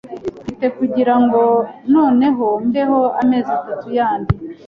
mfite kugirango noneho mbeho amezi atatu yandi